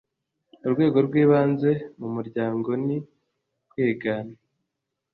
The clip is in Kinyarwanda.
urwego rw ibanze mu muryango ni ukwigana